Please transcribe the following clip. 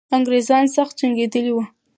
انګریزان سخت جنګېدلي وو.